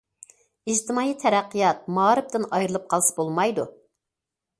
ئىجتىمائىي تەرەققىيات مائارىپتىن ئايرىلىپ قالسا بولمايدۇ.